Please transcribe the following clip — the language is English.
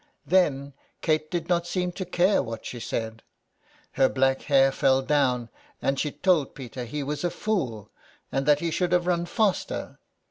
Then Kate did not seem to care what she said. Her black hair fell down, and she told Peter he was a fool, and that he should have run faster.